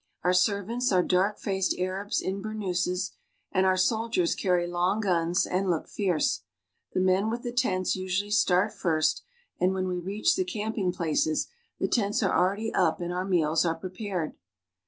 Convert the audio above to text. Our servants are dark faced Arabs in burnouses, and our soldiers carry long guns and look fierce. The men with the tents usually start first, and when we reach the camping places the tents are already up and our meals are prepared.